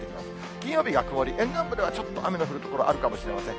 金曜日が曇り、沿岸部ではちょっと雨の降るところ、あるかもしれません。